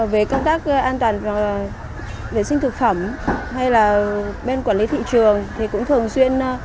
về công tác an toàn vệ sinh thực phẩm hay là bên quản lý thị trường thì cũng thường xuyên